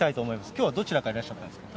きょうはどちらからいらっしゃったんですか。